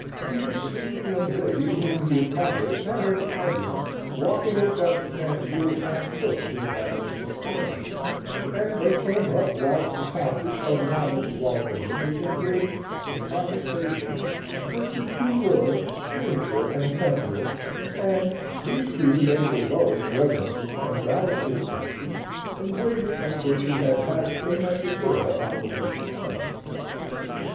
He had seen the young lady whom he admired and her guardian walking across the Pantiles on foot to the Baroness's party, and they came up whilst the Countess of Yarmouth Walmoden was engaged in conversation with the two lords spiritual and temporal, and these two made the lowest reverences and bows to the Countess, and waited until she had passed in at the door on the Bishop's arm.